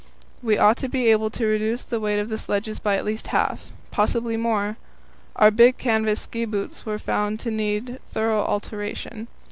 We ought to be able to reduce the weight of the sledges by at least half possibly more. Our big canvas ski boots were found to need thorough alteration.